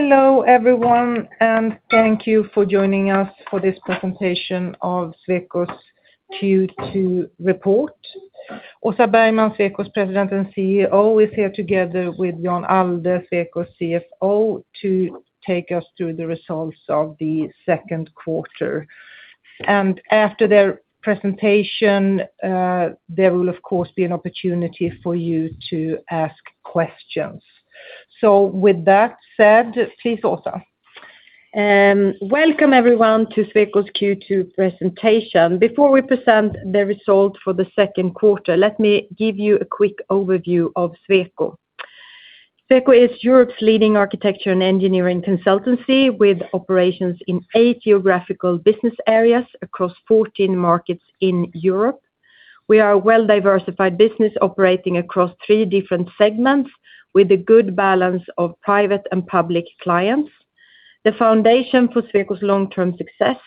Hello everyone, thank you for joining us for this presentation of Sweco's Q2 report. Åsa Bergman, Sweco's President and CEO, is here together with Jan Allde, Sweco's CFO, to take us through the results of the second quarter. After their presentation, there will, of course, be an opportunity for you to ask questions. With that said, please, Åsa. Welcome everyone to Sweco's Q2 presentation. Before we present the results for the second quarter, let me give you a quick overview of Sweco. Sweco is Europe's leading architecture and engineering consultancy with operations in eight geographical business areas across 14 markets in Europe. We are a well-diversified business operating across three different segments with a good balance of private and public clients. The foundation for Sweco's long-term success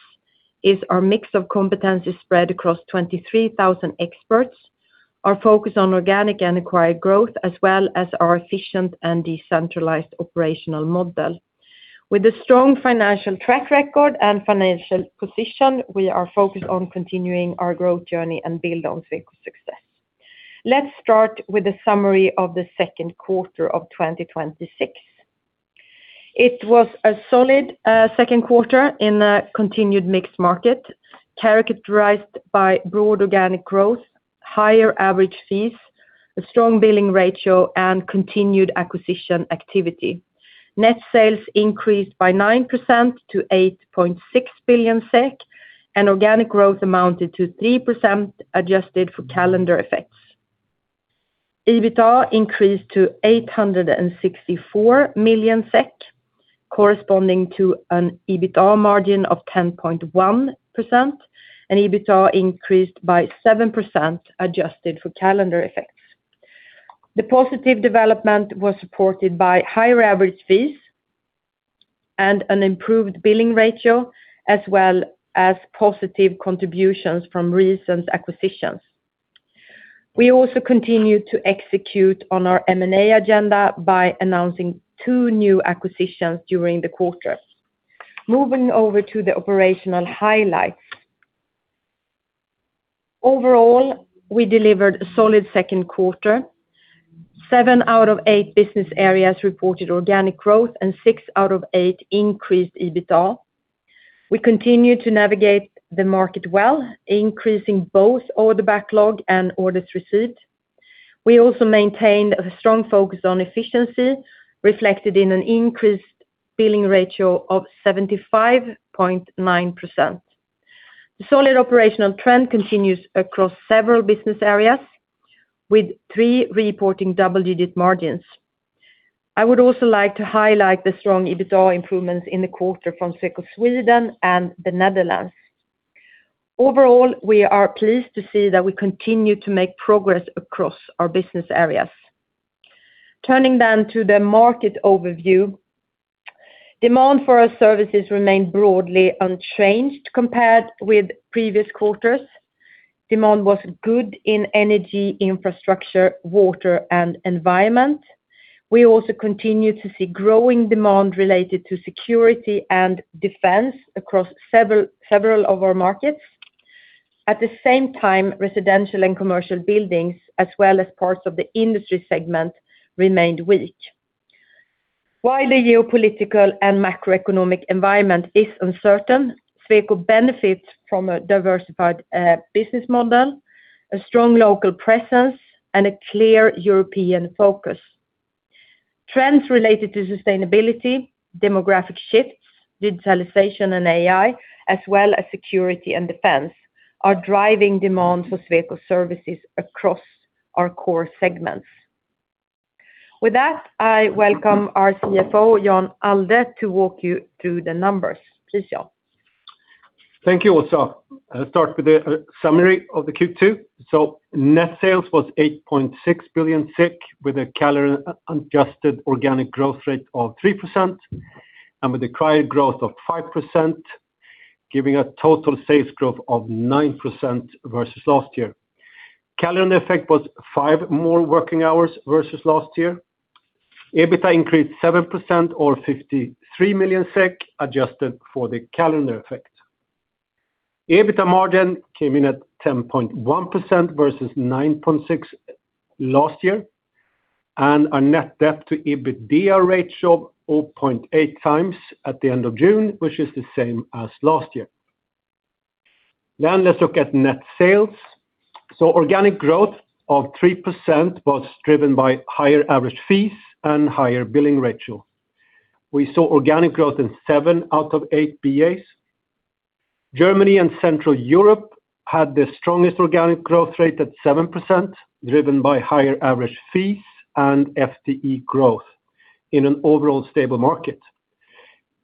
is our mix of competencies spread across 23,000 experts, our focus on organic and acquired growth, as well as our efficient and decentralized operational model. With a strong financial track record and financial position, we are focused on continuing our growth journey and build on Sweco's success. Let's start with a summary of the second quarter of 2026. It was a solid second quarter in a continued mixed market characterized by broad organic growth, higher average fees, a strong billing ratio, and continued acquisition activity. Net sales increased by 9% to 8.6 billion SEK. Organic growth amounted to 3% adjusted for calendar effects. EBITA increased to 864 million SEK, corresponding to an EBITA margin of 10.1%. EBITA increased by 7% adjusted for calendar effects. The positive development was supported by higher average fees and an improved billing ratio, as well as positive contributions from recent acquisitions. We also continued to execute on our M&A agenda by announcing two new acquisitions during the quarter. Moving over to the operational highlights. Overall, we delivered a solid second quarter. Seven out of eight business areas reported organic growth and six out of eight increased EBITA. We continued to navigate the market well, increasing both order backlog and orders received. We also maintained a strong focus on efficiency, reflected in an increased billing ratio of 75.9%. The solid operational trend continues across several business areas with three reporting double-digit margins. I would also like to highlight the strong EBITA improvements in the quarter from Sweco Sweden and the Netherlands. Overall, we are pleased to see that we continue to make progress across our business areas. Turning to the market overview. Demand for our services remained broadly unchanged compared with previous quarters. Demand was good in energy, infrastructure, water, and environment. We also continued to see growing demand related to security and defense across several of our markets. At the same time, residential and commercial buildings, as well as parts of the industry segment, remained weak. While the geopolitical and macroeconomic environment is uncertain, Sweco benefits from a diversified business model, a strong local presence, and a clear European focus. Trends related to sustainability, demographic shifts, digitalization and AI, as well as security and defense, are driving demand for Sweco services across our core segments. With that, I welcome our CFO, Jan Allde, to walk you through the numbers. Please, Jan. Thank you, Åsa. I'll start with a summary of the Q2. Net sales was 8.6 billion with a calendar-adjusted organic growth rate of 3% and with acquired growth of 5%, giving a total sales growth of 9% versus last year. Calendar effect was five more working hours versus last year. EBITA increased 7% or 53 million SEK adjusted for the calendar effect. EBITA margin came in at 10.1% versus 9.6% last year, and our net debt-to-EBITDA ratio of 0.8x at the end of June, which is the same as last year. Let's look at net sales. Organic growth of 3% was driven by higher average fees and higher billing ratio. We saw organic growth in seven out of eight BAs. Germany and Central Europe had the strongest organic growth rate at 7%, driven by higher average fees and FTE growth in an overall stable market.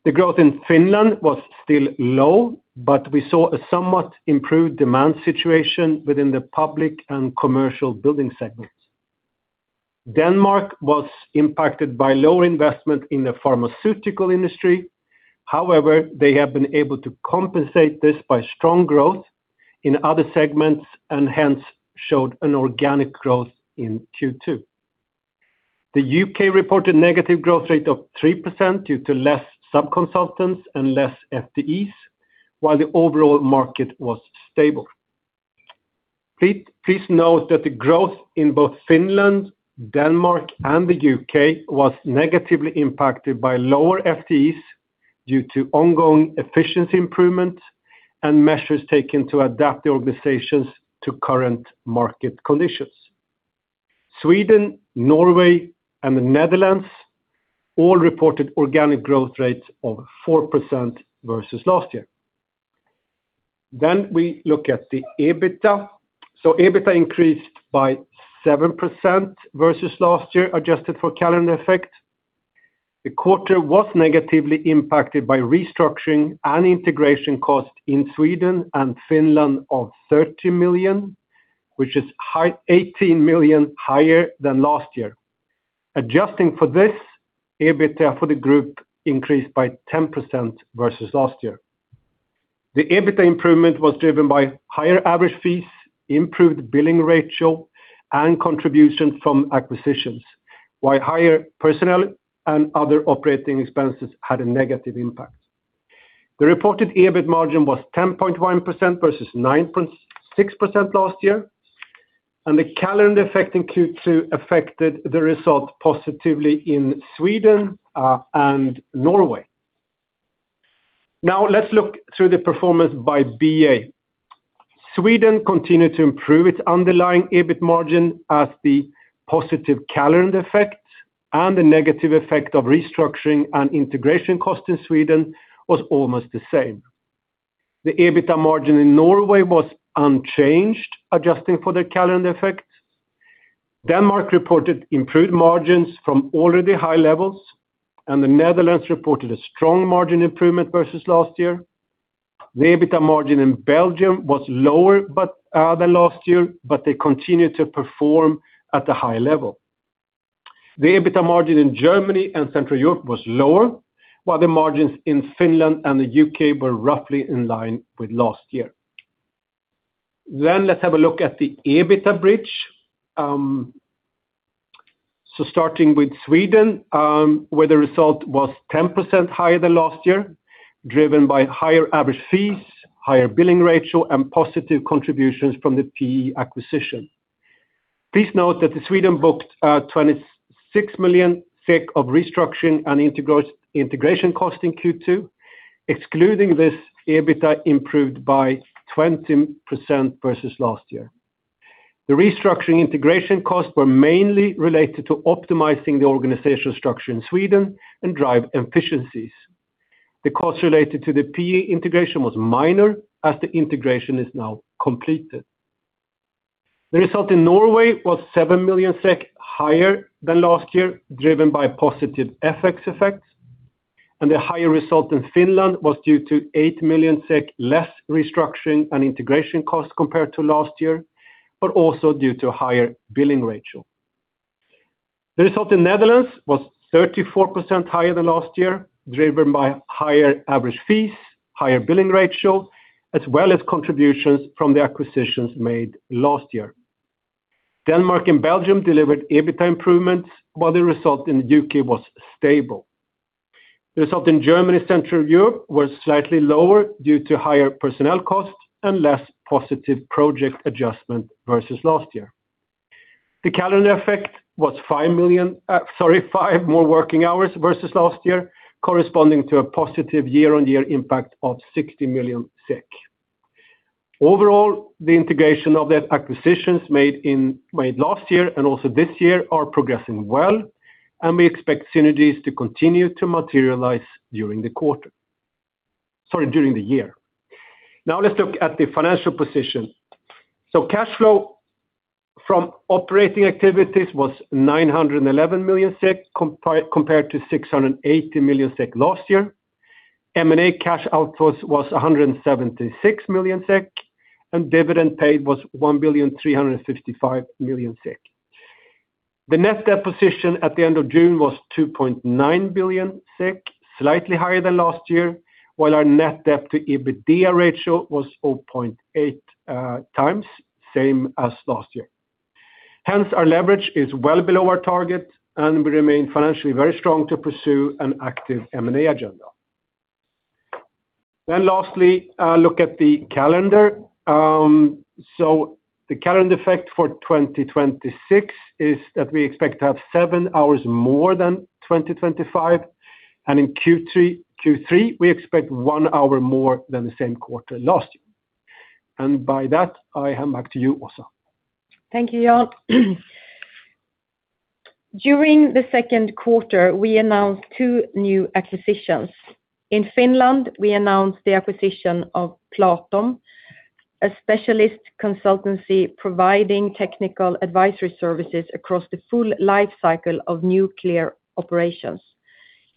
The growth in Finland was still low, but we saw a somewhat improved demand situation within the public and commercial building segments. Denmark was impacted by lower investment in the pharmaceutical industry. They have been able to compensate this by strong growth in other segments, and hence showed an organic growth in Q2. The U.K. reported negative growth rate of 3% due to less sub-consultants and less FTEs, while the overall market was stable. Please note that the growth in both Finland, Denmark, and the U.K. was negatively impacted by lower FTEs due to ongoing efficiency improvements and measures taken to adapt the organizations to current market conditions. Sweden, Norway, and the Netherlands all reported organic growth rates of 4% versus last year. We look at the EBITA. EBITA increased by 7% versus last year, adjusted for calendar effect. The quarter was negatively impacted by restructuring and integration costs in Sweden and Finland of 30 million, which is 18 million higher than last year. Adjusting for this, EBITA for the group increased by 10% versus last year. The EBITA improvement was driven by higher average fees, improved billing ratio, and contributions from acquisitions. While higher personnel and other operating expenses had a negative impact. The reported EBITA margin was 10.1% versus 9.6% last year, and the calendar effect in Q2 affected the result positively in Sweden and Norway. Now let's look through the performance by BA. Sweden continued to improve its underlying EBITA margin as the positive calendar effect and the negative effect of restructuring and integration cost in Sweden was almost the same. The EBITDA margin in Norway was unchanged, adjusting for the calendar effect. Denmark reported improved margins from already high levels, and the Netherlands reported a strong margin improvement versus last year. The EBITDA margin in Belgium was lower than last year, but they continued to perform at a high level. The EBITDA margin in Germany and Central Europe was lower, while the margins in Finland and the U.K. were roughly in-line with last year. Let's have a look at the EBITDA bridge. Starting with Sweden, where the result was 10% higher than last year, driven by higher average fees, higher billing ratio, and positive contributions from the PE acquisition. Please note that Sweden booked 26 million SEK of restructuring and integration cost in Q2. Excluding this, EBITDA improved by 20% versus last year. The restructuring integration costs were mainly related to optimizing the organizational structure in Sweden and drive efficiencies. The cost related to the PE integration was minor, as the integration is now completed. The result in Norway was 7 million SEK higher than last year, driven by positive FX effects, and the higher result in Finland was due to 8 million SEK less restructuring and integration costs compared to last year, but also due to higher billing ratio. The result in Netherlands was 34% higher than last year, driven by higher average fees, higher billing ratio, as well as contributions from the acquisitions made last year. Denmark and Belgium delivered EBITDA improvements, while the result in the U.K. was stable. The result in Germany, Central Europe was slightly lower due to higher personnel costs and less positive project adjustment versus last year. The calendar effect was five more working hours versus last year, corresponding to a positive year-on-year impact of 60 million SEK. Overall, the integration of the acquisitions made last year and also this year are progressing well, and we expect synergies to continue to materialize during the year. Let's look at the financial position. Cash flow from operating activities was 911 million SEK, compared to 680 million SEK last year. M&A cash out was 176 million SEK, and dividend paid was 1,355 million SEK. The net debt position at the end of June was 2.9 billion SEK, slightly higher than last year, while our net debt-to-EBITDA ratio was 0.8x, same as last year. Hence, our leverage is well below our target, and we remain financially very strong to pursue an active M&A agenda. Lastly, look at the calendar. The calendar effect for 2026 is that we expect to have seven hours more than 2025, and in Q3, we expect one hour more than the same quarter last year. By that, I hand back to you, Åsa. Thank you, Jan. During the second quarter, we announced two new acquisitions. In Finland, we announced the acquisition of Platom, a specialist consultancy providing technical advisory services across the full life cycle of nuclear operations.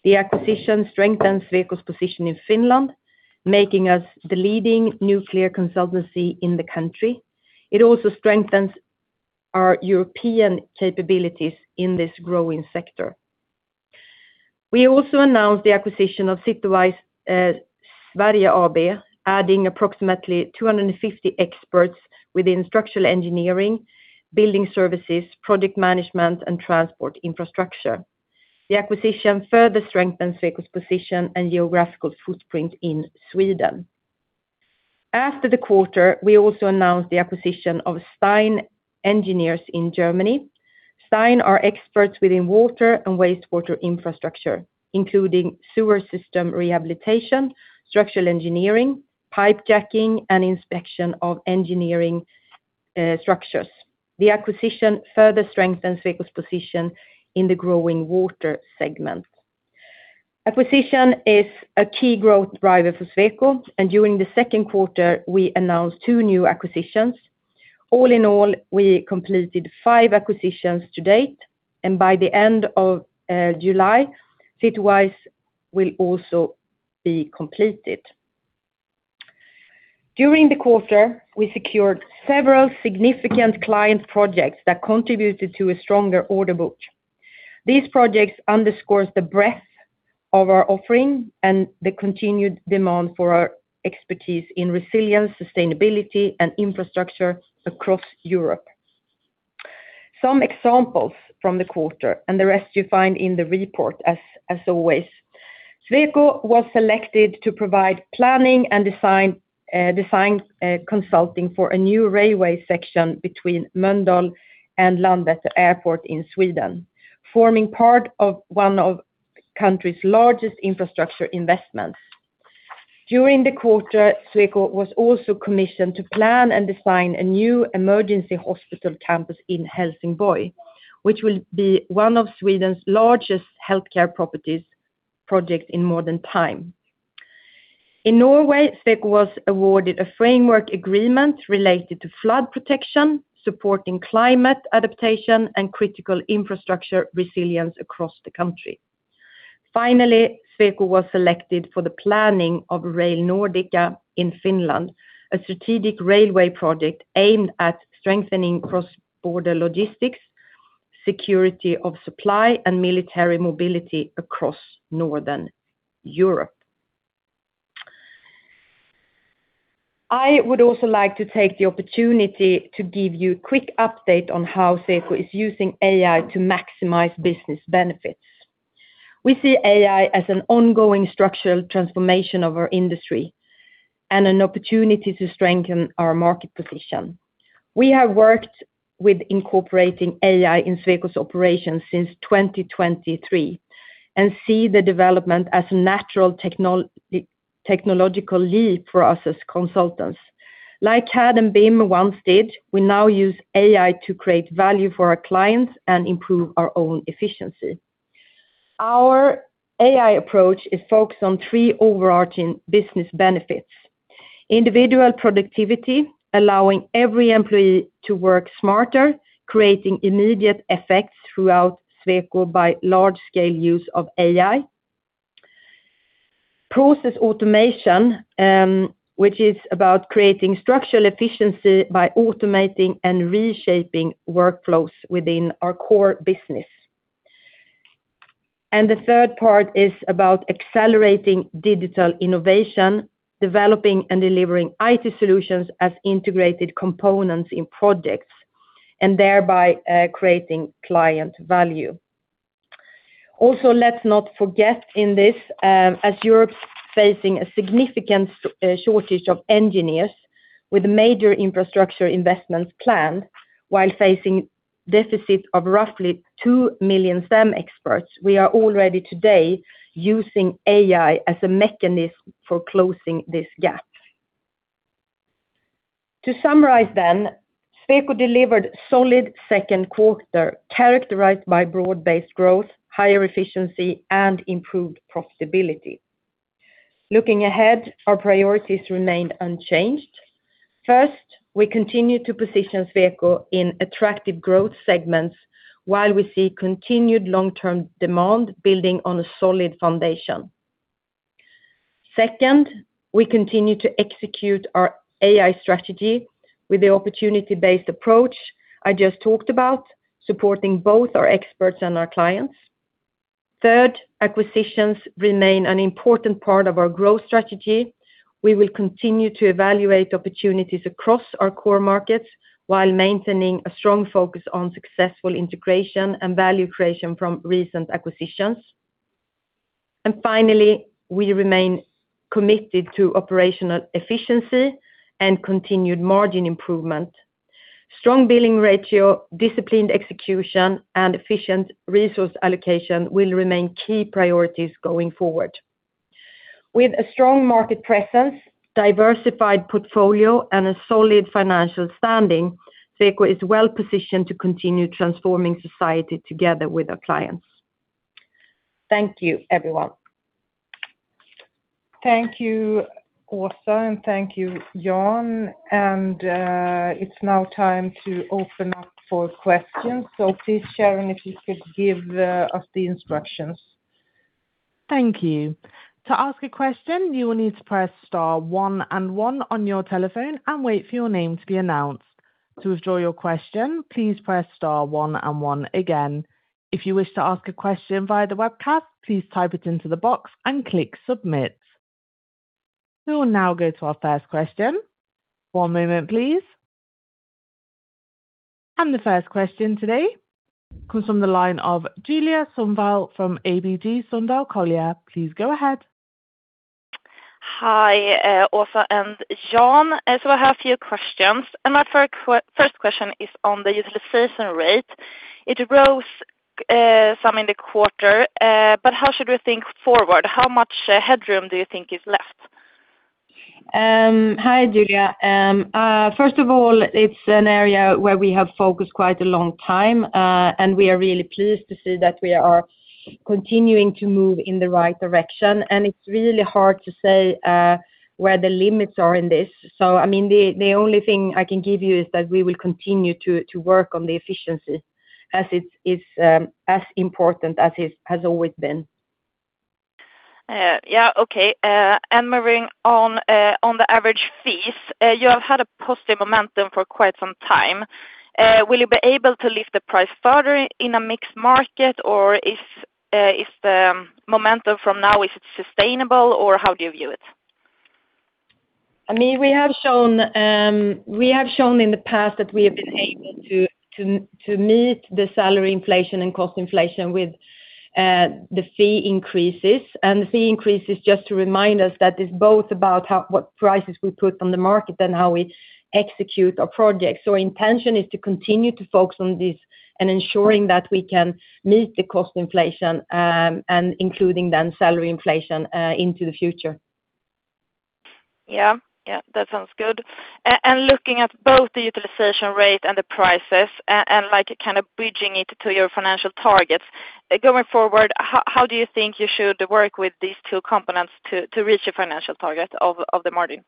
The acquisition strengthens Sweco's position in Finland, making us the leading nuclear consultancy in the country. It also strengthens our European capabilities in this growing sector. We also announced the acquisition of Sitowise Sverige AB, adding approximately 250 experts within structural engineering, building services, project management, and transport infrastructure. The acquisition further strengthens Sweco's position and geographical footprint in Sweden. After the quarter, we also announced the acquisition of STEIN Ingenieure in Germany. STEIN are experts within water and wastewater infrastructure, including sewer system rehabilitation, structural engineering, pipe jacking, and inspection of engineering structures. The acquisition further strengthens Sweco's position in the growing water segment. Acquisition is a key growth driver for Sweco. During the second quarter, we announced two new acquisitions. All in all, we completed five acquisitions to-date, and by the end of July, Sitowise will also be completed. During the quarter, we secured several significant client projects that contributed to a stronger order book. These projects underscore the breadth of our offering and the continued demand for our expertise in resilience, sustainability, and infrastructure across Europe. Some examples from the quarter and the rest you find in the report as always. Sweco was selected to provide planning and design consulting for a new railway section between Mölndal and Landvetter Airport in Sweden, forming part of one of the country's largest infrastructure investments. During the quarter, Sweco was also commissioned to plan and design a new emergency hospital campus in Helsingborg, which will be one of Sweden's largest healthcare properties projects in modern times. In Norway, Sweco was awarded a framework agreement related to flood protection, supporting climate adaptation and critical infrastructure resilience across the country. Finally, Sweco was selected for the planning of Rail Nordica in Finland, a strategic railway project aimed at strengthening cross-border logistics, security of supply, and military mobility across Northern Europe. I would also like to take the opportunity to give you a quick update on how Sweco is using AI to maximize business benefits. We see AI as an ongoing structural transformation of our industry and an opportunity to strengthen our market position. We have worked with incorporating AI in Sweco's operations since 2023 and see the development as a natural technological leap for us as consultants. Like CAD and BIM once did, we now use AI to create value for our clients and improve our own efficiency. Our AI approach is focused on three overarching business benefits. Individual productivity, allowing every employee to work smarter, creating immediate effects throughout Sweco by large-scale use of AI. Process automation, which is about creating structural efficiency by automating and reshaping workflows within our core business. The third part is about accelerating digital innovation, developing and delivering IT solutions as integrated components in projects, and thereby creating client value. Let's not forget in this, as Europe's facing a significant shortage of engineers with major infrastructure investments planned while facing a deficit of roughly 2 million STEM experts, we are already today using AI as a mechanism for closing this gap. To summarize, Sweco delivered a solid second quarter characterized by broad-based growth, higher efficiency, and improved profitability. Looking ahead, our priorities remain unchanged. First, we continue to position Sweco in attractive growth segments while we see continued long-term demand building on a solid foundation. Second, we continue to execute our AI strategy with the opportunity-based approach I just talked about, supporting both our experts and our clients. Third, acquisitions remain an important part of our growth strategy. We will continue to evaluate opportunities across our core markets while maintaining a strong focus on successful integration and value creation from recent acquisitions. Finally, we remain committed to operational efficiency and continued margin improvement. Strong billing ratio, disciplined execution, and efficient resource allocation will remain key priorities going forward. With a strong market presence, diversified portfolio, and a solid financial standing, Sweco is well-positioned to continue transforming society together with our clients. Thank you, everyone. Thank you, Åsa, and thank you, Jan. It's now time to open up for questions. Please, Sharon, if you could give us the instructions. Thank you. To ask a question, you will need to press star one and one on your telephone and wait for your name to be announced. To withdraw your question, please press star one and one again. If you wish to ask a question via the webcast, please type it into the box and click submit. We will now go to our first question. One moment, please. The first question today comes from the line of Julia Sundvall from ABG Sundal Collier. Please go ahead. Hi, Åsa and Jan. I have a few questions, my first question is on the utilization rate. It rose some in the quarter, how should we think forward? How much headroom do you think is left? Hi, Julia. First of all, it's an area where we have focused quite a long time, and we are really pleased to see that we are continuing to move in the right direction, and it's really hard to say where the limits are in this. The only thing I can give you is that we will continue to work on the efficiency, as it is as important as it has always been. Yeah. Okay. Moving on the average fees, you have had a positive momentum for quite some time. Will you be able to lift the price further in a mixed market, or is the momentum from now, is it sustainable, or how do you view it? We have shown in the past that we have been able to meet the salary inflation and cost inflation with the fee increases, and the fee increases, just to remind us, that it's both about what prices we put on the market and how we execute our projects. Our intention is to continue to focus on this and ensuring that we can meet the cost inflation, and including then salary inflation, into the future. Yeah. That sounds good. Looking at both the utilization rate and the prices and bridging it to your financial targets. Going forward, how do you think you should work with these two components to reach your financial target of the margin?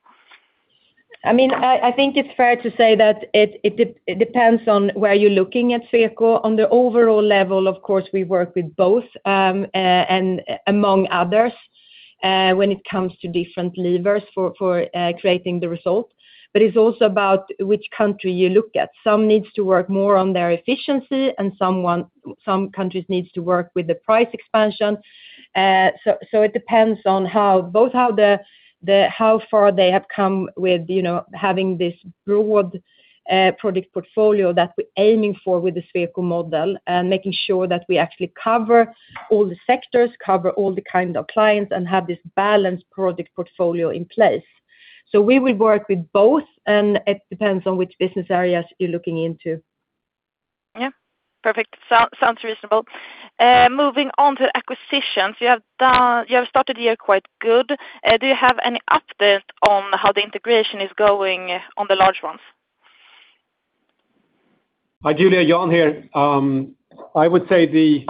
I think it's fair to say that it depends on where you're looking at Sweco. On the overall level, of course, we work with both, among others, when it comes to different levers for creating the result. It's also about which country you look at. Some needs to work more on their efficiency, and some countries need to work with the price expansion. It depends on both how far they have come with having this broad project portfolio that we're aiming for with the Sweco model and making sure that we actually cover all the sectors, cover all the kind of clients, and have this balanced project portfolio in place. We will work with both, and it depends on which business areas you're looking into. Yeah. Perfect. Sounds reasonable. Moving on to acquisitions. You have started the year quite good. Do you have any updates on how the integration is going on the large ones? Hi, Julia. Jan here. I would say the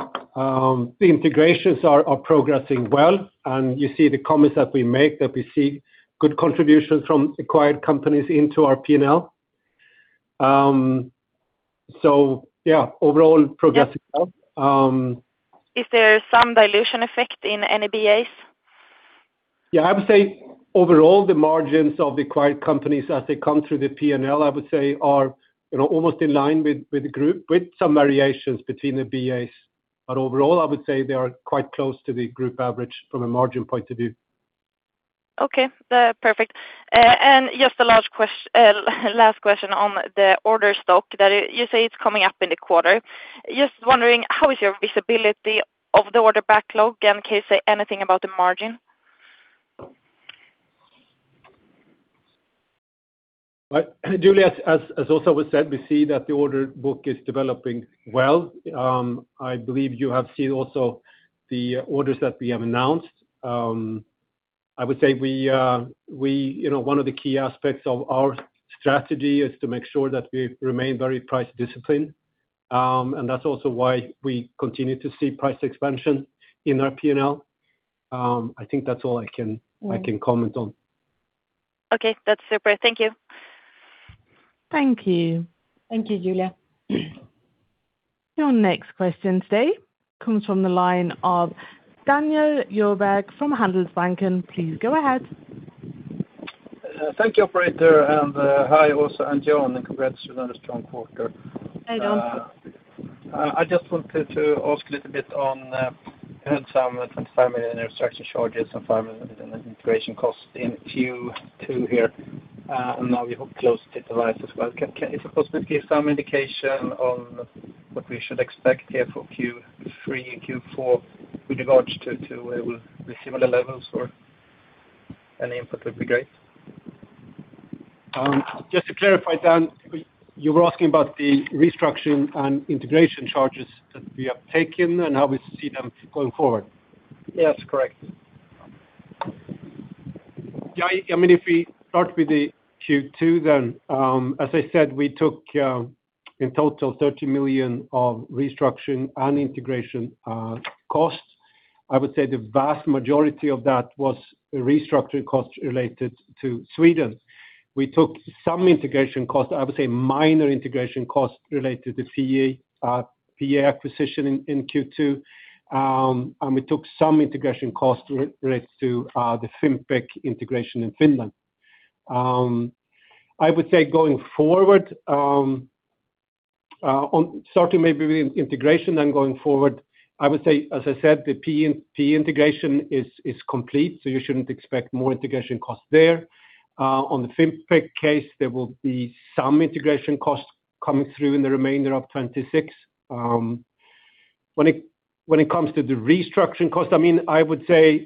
integrations are progressing well, and you see the comments that we make, that we see good contributions from acquired companies into our P&L. Yeah, overall progressing well. Is there some dilution effect in any BAs? Yeah, I would say overall, the margins of the acquired companies as they come through the P&L, I would say are almost in-line with the group with some variations between the BAs. Overall, I would say they are quite close to the group average from a margin point of view. Okay, perfect. Just the last question on the order stock that you say it's coming up in the quarter. Just wondering, how is your visibility of the order backlog? Can you say anything about the margin? Julia, as Åsa said, we see that the order book is developing well. I believe you have seen also the orders that we have announced. I would say one of the key aspects of our strategy is to make sure that we remain very price disciplined. That's also why we continue to see price expansion in our P&L. I think that's all I can comment on. Okay, that's super. Thank you. Thank you. Thank you, Julia. Your next question today comes from the line of Daniel Djurberg from Handelsbanken. Please go ahead. Thank you, operator. Hi, Åsa and Jan, and congrats on a strong quarter. Hi, Dan. I just wanted to ask a little bit on, you had some 25 million restructuring charges and 5 million in integration costs in Q2 here, and now you have closed Sitowise as well. Is it possible to give some indication on what we should expect here for Q3 and Q4 with regards to will it be similar levels? Any input would be great. Just to clarify, Dan, you were asking about the restructuring and integration charges that we have taken and how we see them going forward? Yes, correct. If we start with the Q2, then as I said, we took in total 30 million of restructuring and integration costs. I would say the vast majority of that was restructuring costs related to Sweden. We took some integration costs, I would say minor integration costs related to the [Sitowise Sverige] acquisition in Q2. We took some integration costs related to the Fimpec integration in Finland. I would say starting maybe with integration and going forward, I would say, as I said, the PE integration is complete, so you shouldn't expect more integration costs there. On the Fimpec case, there will be some integration costs coming through in the remainder of 2026. When it comes to the restructuring cost, I would say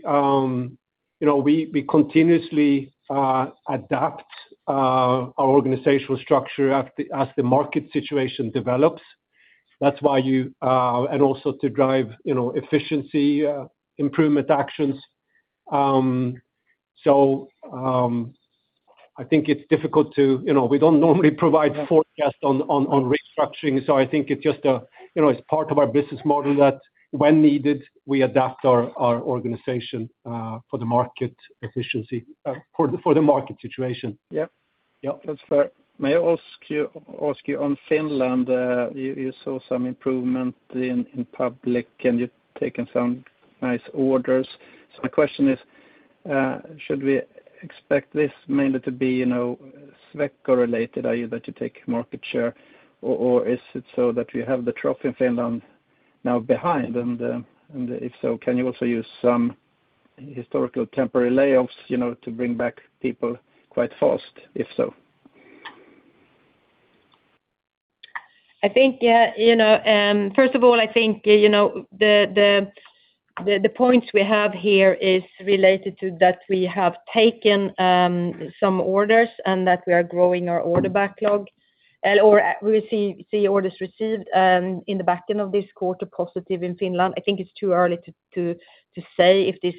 we continuously adapt our organizational structure as the market situation develops, and also to drive efficiency improvement actions. I think it's difficult to, we don't normally provide forecasts on restructuring. I think it's part of our business model that when needed, we adapt our organization for the market situation. Yeah. That's fair. May I ask you on Finland, you saw some improvement in public and you've taken some nice orders. My question is, should we expect this mainly to be Sweco-related, i.e., that you take market share or is it so that you have the trough in Finland now behind and if so, can you also use some historical temporary layoffs to bring back people quite fast, if so? First of all, I think the points we have here is related to that we have taken some orders and that we are growing our order backlog. We see orders received in the backend of this quarter positive in Finland. I think it's too early to say if this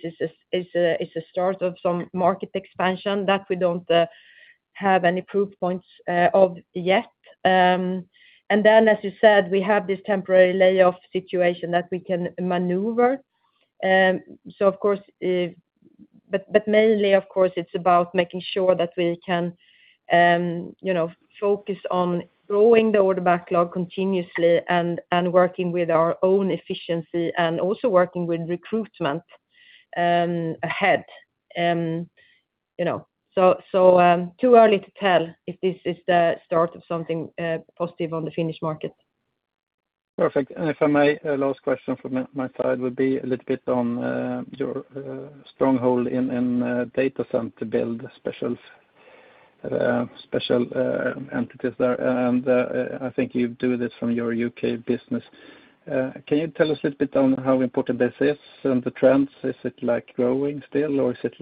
is a start of some market expansion that we don't have any proof points of yet. As you said, we have this temporary layoff situation that we can maneuver. Mainly, of course, it's about making sure that we can focus on growing the order backlog continuously and working with our own efficiency and also working with recruitment ahead. Too early to tell if this is the start of something positive on the Finnish market. Perfect. If I may, last question from my side would be a little bit on your stronghold in data center build special entities there, and I think you do this from your U.K. business. Can you tell us a little bit on how important this is and the trends? Is it growing still or is it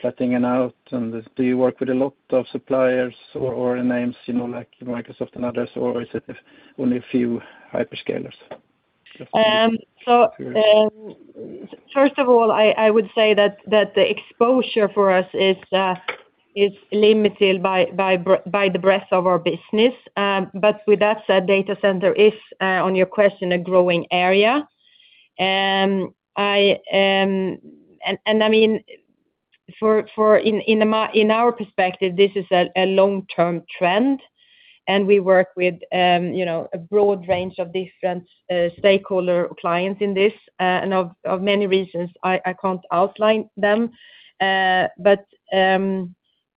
flattening out? Do you work with a lot of suppliers or names like Microsoft and others, or is it only a few hyperscalers? First of all, I would say that the exposure for us is limited by the breadth of our business. With that said, data center is, on your question, a growing area. In our perspective, this is a long-term trend, and we work with a broad range of different stakeholder clients in this.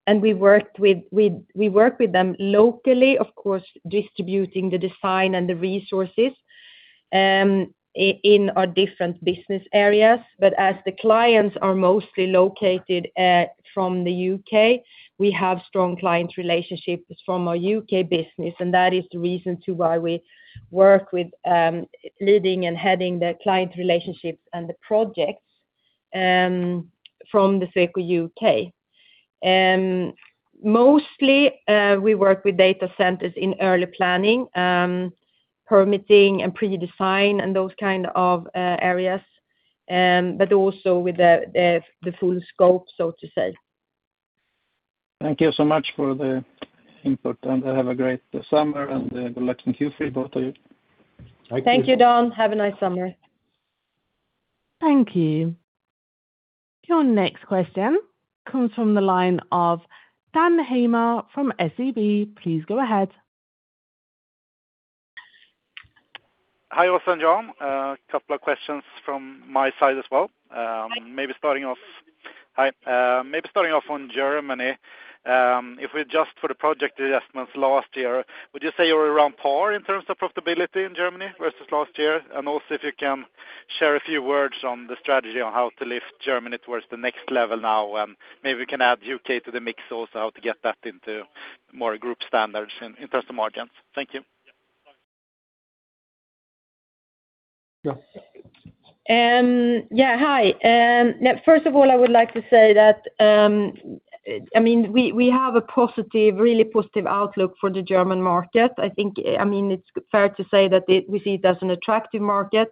Of many reasons, I can't outline them. We work with them locally, of course, distributing the design and the resources in our different business areas. As the clients are mostly located from the U.K., we have strong client relationships from our U.K. business. That is the reason to why we work with leading and heading the client relationships and the projects from the Sweco U.K. Mostly, we work with data centers in early planning, permitting, and pre-design and those kind of areas, but also with the full scope, so to say. Thank you so much for the input, and have a great summer, and good luck in Q3, both of you. Thank you. Thank you, Dan. Have a nice summer. Thank you. Your next question comes from the line of Dan Heimer from SEB. Please go ahead. Hi, Åsa and Jan. A couple of questions from my side as well. Hi. Maybe starting off on Germany. If we adjust for the project divestments last year, would you say you were around par in terms of profitability in Germany versus last year? Also if you can share a few words on the strategy on how to lift Germany towards the next level now, and maybe we can add U.K. to the mix also, how to get that into more group standards in terms of margins. Thank you. Yeah. Yeah. Hi. First of all, I would like to say that we have a really positive outlook for the German market. It's fair to say that we see it as an attractive market.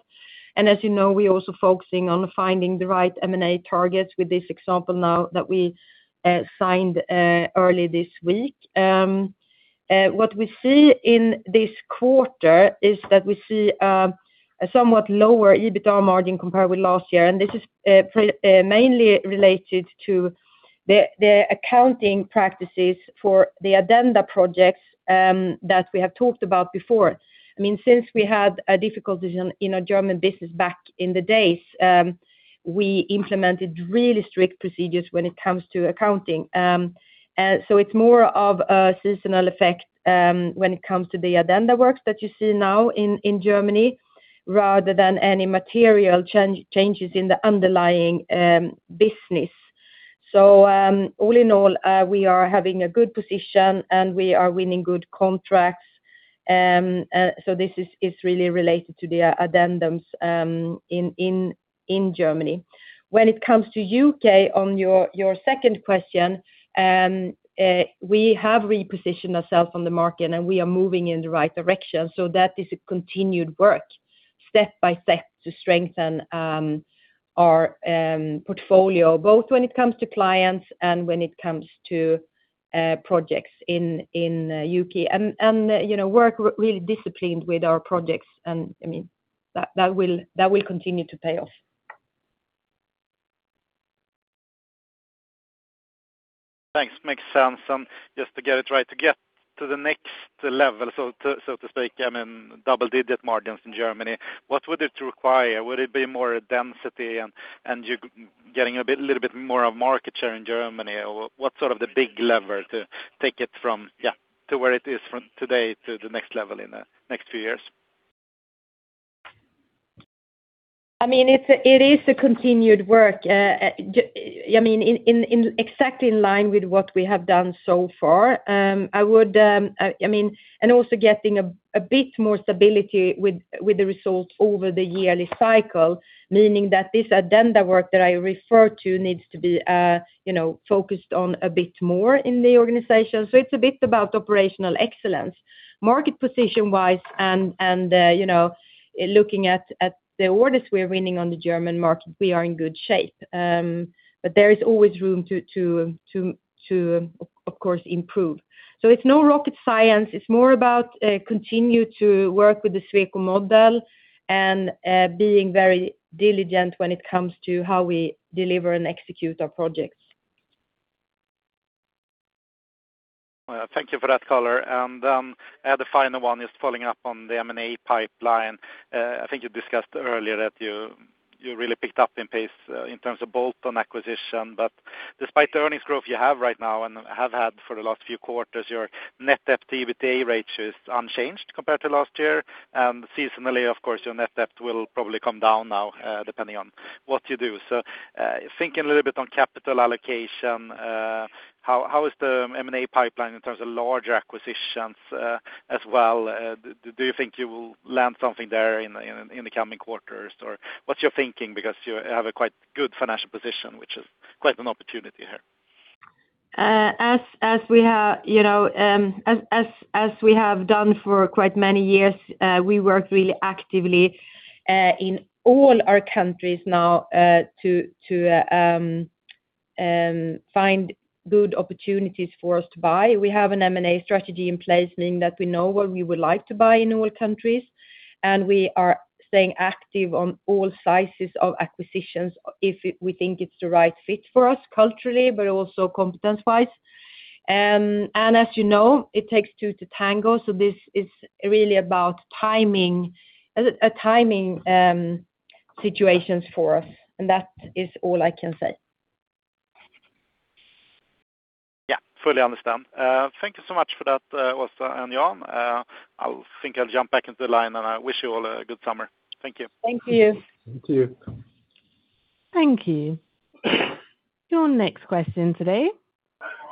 As you know, we are also focusing on finding the right M&A targets with this example now that we signed early this week. What we see in this quarter is that we see a somewhat lower EBITA margin compared with last year. This is mainly related to the accounting practices for the addenda projects that we have talked about before. Since we had a difficult decision in our German business back in the days, we implemented really strict procedures when it comes to accounting. It is more of a seasonal effect when it comes to the addenda works that you see now in Germany, rather than any material changes in the underlying business. All in all, we are having a good position and we are winning good contracts. This is really related to the addendums in Germany. When it comes to U.K., on your second question, we have repositioned ourselves on the market and we are moving in the right direction. That is a continued work, step by step to strengthen our portfolio, both when it comes to clients and when it comes to projects in U.K. and work really disciplined with our projects and that will continue to pay off. Thanks. Makes sense. Just to get it right, to get to the next level, so to speak, double-digit margins in Germany, what would it require? Would it be more density and you getting a little bit more of market share in Germany? Or what's sort of the big lever to take it from, yeah, to where it is from today to the next level in the next few years? It is a continued work exactly in line with what we have done so far. Also getting a bit more stability with the results over the yearly cycle, meaning that this addenda work that I refer to needs to be focused on a bit more in the organization. It's a bit about operational excellence. Market position wise and looking at the orders we're winning on the German market, we are in good shape. There is always room to, of course, improve. It's no rocket science. It's more about continue to work with the Sweco model and being very diligent when it comes to how we deliver and execute our projects. Thank you for that color. The final one is following up on the M&A pipeline. I think you discussed earlier that you really picked up in pace in terms of bolt-on acquisition. Despite the earnings growth you have right now and have had for the last few quarters, your net debt-to-EBITDA ratio is unchanged compared to last year. Seasonally, of course, your net debt will probably come down now, depending on what you do. Thinking a little bit on capital allocation, how is the M&A pipeline in terms of larger acquisitions, as well? Do you think you will land something there in the coming quarters? What's your thinking? Because you have a quite good financial position, which is quite an opportunity here. As we have done for quite many years, we work really actively in all our countries now to find good opportunities for us to buy. We have an M&A strategy in place, meaning that we know what we would like to buy in all countries, and we are staying active on all sizes of acquisitions if we think it's the right fit for us culturally, but also competence wise. As you know, it takes two to tango, so this is really about timing situations for us, and that is all I can say. Yeah, fully understand. Thank you so much for that, Åsa and Jan. I think I'll jump back into the line, and I wish you all a good summer. Thank you. Thank you. Thank you. Thank you. Your next question today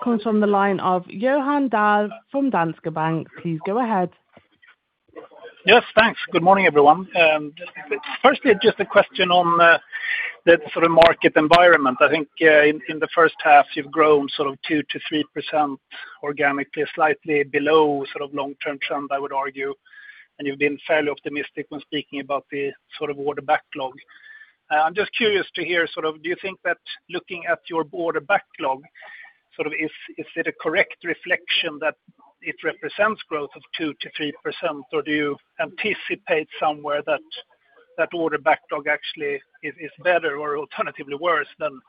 comes from the line of Johan Dahl from Danske Bank. Please go ahead. Yes, thanks. Good morning, everyone. Firstly, just a question on the sort of market environment. I think in the first half you've grown sort of 2%-3% organically, slightly below sort of long-term trend, I would argue, and you've been fairly optimistic when speaking about the sort of order backlog. I'm just curious to hear, do you think that looking at your order backlog, is it a correct reflection that it represents growth of 2%-3%? Or do you anticipate somewhere that that order backlog actually is better or alternatively worse than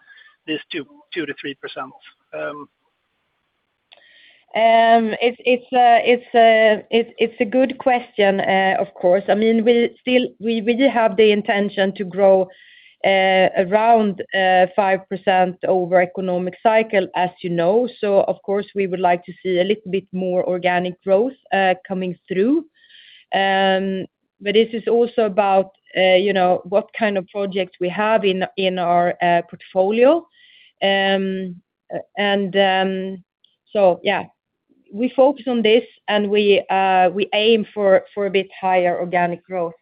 this 2%-3%? It's a good question, of course. We really have the intention to grow around 5% over economic cycle, as you know. Of course, we would like to see a little bit more organic growth coming through. This is also about what kind of projects we have in our portfolio. Yeah, we focus on this and we aim for a bit higher organic growth.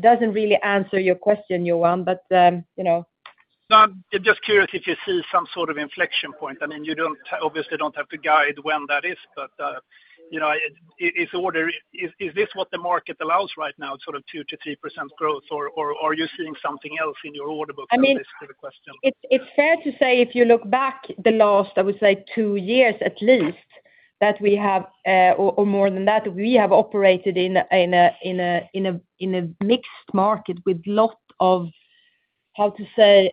Doesn't really answer your question, Johan. No, I'm just curious if you see some sort of inflection point. You obviously don't have to guide when that is, but is this what the market allows right now, sort of 2%-3% growth? Or are you seeing something else in your order book that answers the question? It's fair to say, if you look back the last, I would say two years at least. That we have, or more than that, we have operated in a mixed market with lot of, how to say,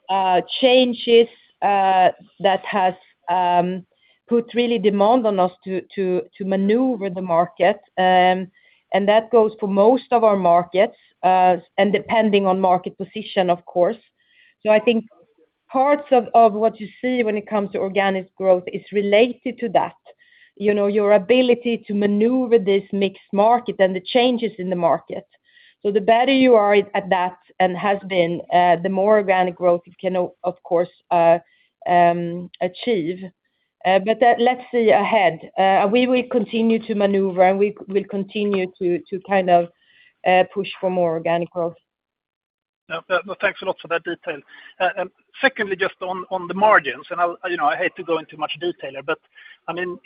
changes that has put really demand on us to maneuver the market. That goes for most of our markets, and depending on market position, of course. I think parts of what you see when it comes to organic growth is related to that. Your ability to maneuver this mixed market and the changes in the market. The better you are at that and has been, the more organic growth you can, of course, achieve. Let's see ahead. We will continue to maneuver, and we will continue to push for more organic growth. Thanks a lot for that detail. Secondly, just on the margins, I hate to go into much detail here, but in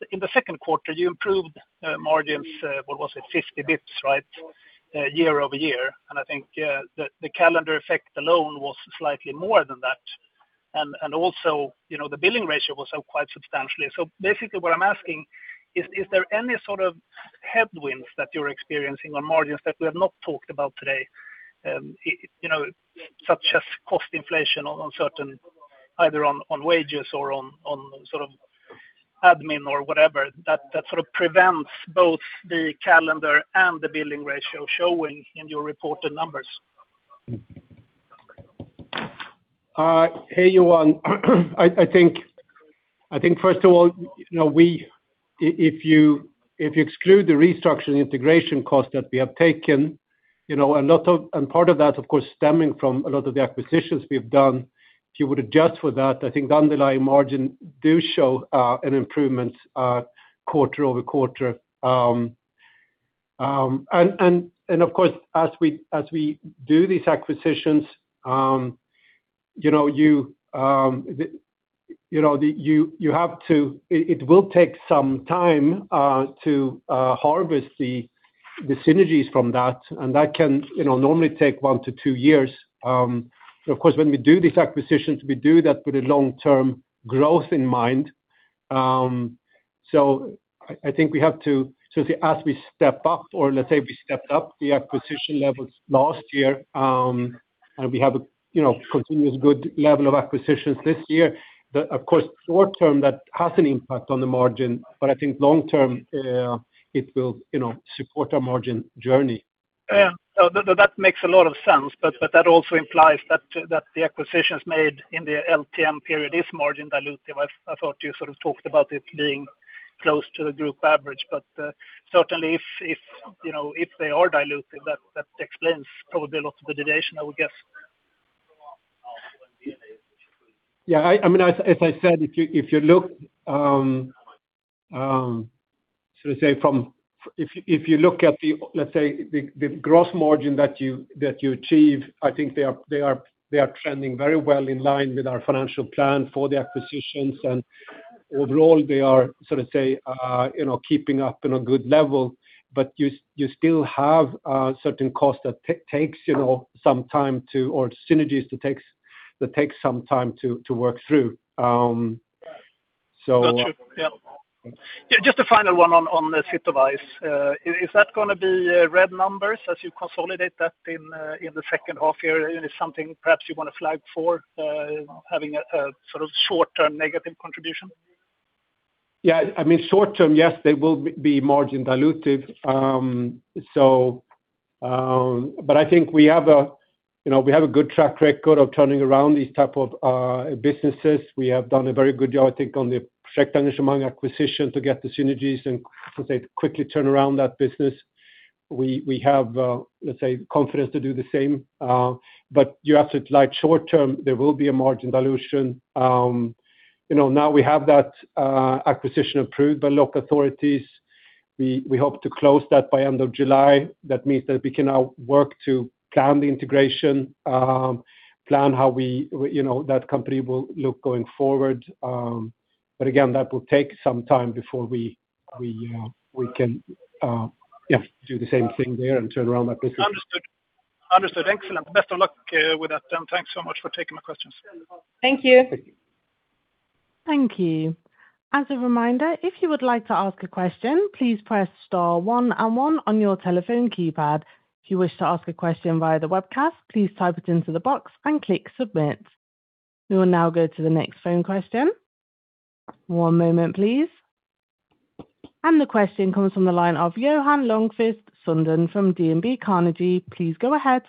the second quarter, you improved margins, what was it, 50 basis points, right? Year-over-year. I think the calendar effect alone was slightly more than that. Also, the billing ratio was up quite substantially. Basically what I'm asking, is there any sort of headwinds that you're experiencing on margins that we have not talked about today, such as cost inflation on certain either on wages or on admin or whatever, that sort of prevents both the calendar and the billing ratio showing in your reported numbers? Hey, Johan. I think first of all, if you exclude the restructuring integration cost that we have taken, part of that, of course, stemming from a lot of the acquisitions we've done. If you would adjust for that, I think the underlying margin do show an improvement quarter-over-quarter. Of course, as we do these acquisitions, it will take some time to harvest the synergies from that, and that can normally take one to two years. Of course, when we do these acquisitions, we do that with a long-term growth in mind. I think we have to, as we step up, or let's say we stepped up the acquisition levels last year, we have a continuous good level of acquisitions this year. Of course, short-term, that has an impact on the margin. I think long-term, it will support our margin journey. Yeah. That makes a lot of sense, but that also implies that the acquisitions made in the LTM period is margin dilutive. I thought you sort of talked about it being close to the group average. Certainly, if they are dilutive, that explains probably a lot of the dilution, I would guess. Yeah. As I said, if you look at, let's say, the gross margin that you achieve, I think they are trending very well in-line with our financial plan for the acquisitions. Overall, they are, sort of say, keeping up in a good level, but you still have a certain cost that takes some time, or synergies that takes some time to work through. That's true. Yeah. Just a final one on Sitowise. Is that going to be red numbers as you consolidate that in the second half year? It's something perhaps you want to flag for having a sort of short-term negative contribution? Yeah. Short-term, yes, they will be margin dilutive. I think we have a good track record of turning around these type of businesses. We have done a very good job, I think, on the Projektengagemang acquisition to get the synergies and quickly turn around that business. We have, let's say, confidence to do the same. You have to flag short-term, there will be a margin dilution. Now we have that acquisition approved by local authorities. We hope to close that by end of July. That means that we can now work to plan the integration, plan how that company will look going forward. Again, that will take some time before we can do the same thing there and turn around that business. Understood. Excellent. Best of luck with that, thanks so much for taking my questions. Thank you. Thank you. Thank you. As a reminder, if you would like to ask a question, please press star one and one on your telephone keypad. If you wish to ask a question via the webcast, please type it into the box and click submit. We will now go to the next phone question. One moment, please. The question comes from the line of Johan Lönnqvist Sundén from DNB Carnegie. Please go ahead.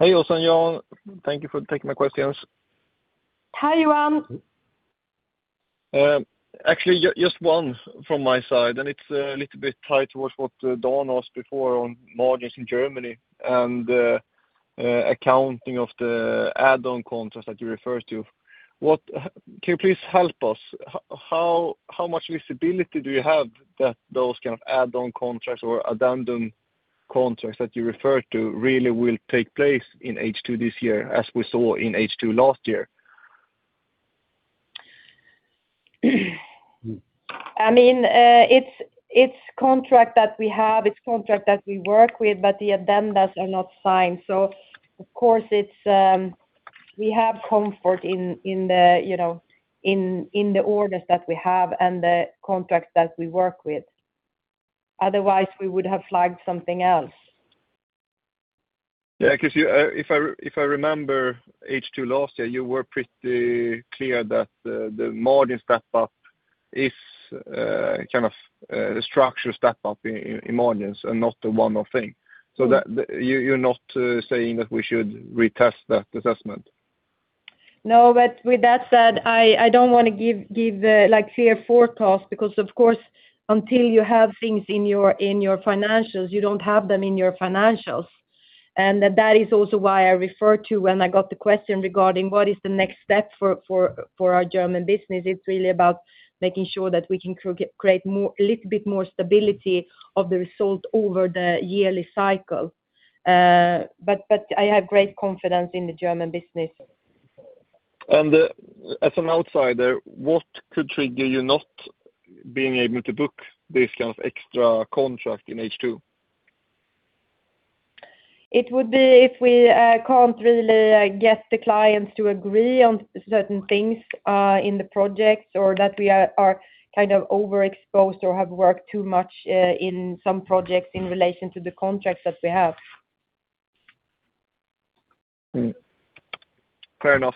Hey, Åsa and Jan. Thank you for taking my questions. Hi, Johan. Just one from my side, and it is a little bit tied towards what Dan asked before on margins in Germany and accounting of the add-on contracts that you referred to. Can you please help us? How much visibility do you have that those kind of add-on contracts or addendum contracts that you referred to really will take place in H2 this year, as we saw in H2 last year? It is contract that we have, it is contract that we work with, but the addendums are not signed. Of course, we have comfort in the orders that we have and the contracts that we work with. Otherwise, we would have flagged something else. Yeah. If I remember H2 last year, you were pretty clear that the margin step up is a structure step up in margins and not a one-off thing, you are not saying that we should retest that assessment? No, with that said, I don't want to give clear forecast because, of course, until you have things in your financials, you don't have them in your financials. That is also why I refer to when I got the question regarding what is the next step for our German business. It's really about making sure that we can create a little bit more stability of the result over the yearly cycle. I have great confidence in the German business. As an outsider, what could trigger you not being able to book this kind of extra contract in H2? It would be if we can't really get the clients to agree on certain things in the projects, or that we are overexposed or have worked too much in some projects in relation to the contracts that we have. Fair enough.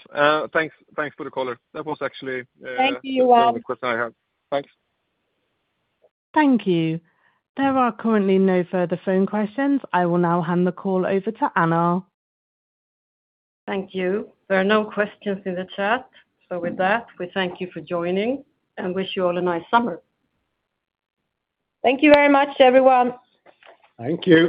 Thanks for the call. That was actually. Thank you, Johan. That was the only question I have. Thanks. Thank you. There are currently no further phone questions. I will now hand the call over to Anna. Thank you. There are no questions in the chat. With that, we thank you for joining and wish you all a nice summer. Thank you very much, everyone. Thank you.